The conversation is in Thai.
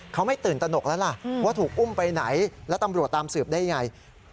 เขาไม่ตื่นตนกแล้วล่ะว่าถูกอุ้มไปไหนแล้วตำรวจตามสืบได้ยังไง